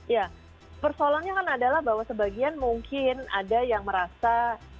ya persoalannya kan adalah bahwa sebagian mungkin ada yang merasa